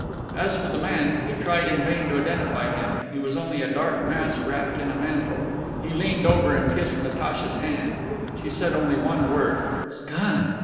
As for the man, he tried in vain to identify him; he was only a dark mass wrapped in a mantle. He leaned over and kissed Natacha's hand. She said only one word: "Scan!"